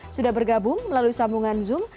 sudah bergabung melalui sambungan zoom